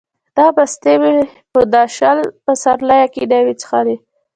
دا مستې مې په دا شل پسرلیه کې نه وې څښلې.